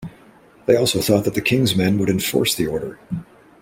They also thought that the King's men would enforce the order.